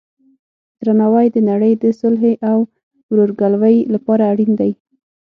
درناوی د نړۍ د صلحې او ورورګلوۍ لپاره اړین دی.